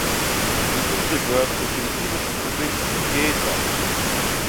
Die Insel gehört zur philippinischen Provinz Quezon.